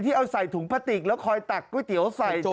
ที่เอาใส่ถุงผติกแล้วคอยตักก๋วยเตี๋ยวใส่